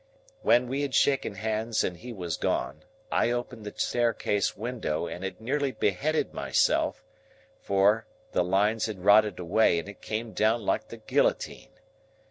When we had shaken hands and he was gone, I opened the staircase window and had nearly beheaded myself, for, the lines had rotted away, and it came down like the guillotine.